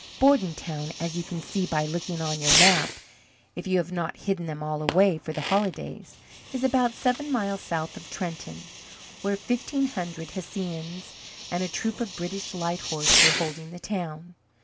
Bordentown, as you can see by looking on your map, if you have not hidden them all away for the holidays, is about seven miles south of Trenton, where fifteen hundred Hessians and a troop of British light horse were holding the town.